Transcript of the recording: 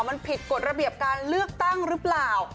มันผิดกฎระเบียบการเลือกตั้งหรือเปล่า